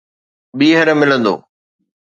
ٻيهر ملندو